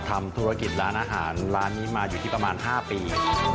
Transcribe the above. ทำธุรกิจร้านอาหารร้านนี้มาอยู่ที่ประมาณ๕ปี